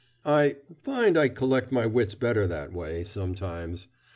"I find I collect my wits better that way sometimes.